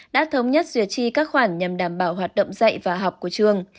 đã thống nhất duyệt chi các khoản nhằm đảm bảo hoạt động dạy và học của trường